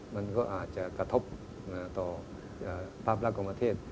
มันก็อาจจะกระทบต่อภาพละกว่าประเทศ